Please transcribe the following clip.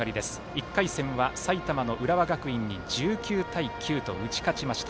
１回戦は埼玉、浦和学院に１９対９と打ち勝ちました。